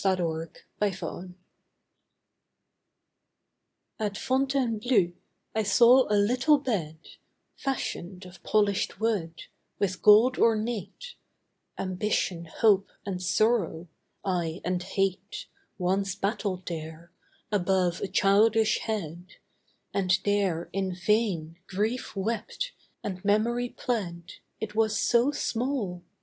AT FONTAINEBLEAU At Fontainebleau, I saw a little bed Fashioned of polished wood, with gold ornate, Ambition, hope, and sorrow, ay, and hate Once battled there, above a childish head, And there in vain, grief wept, and memory plead It was so small!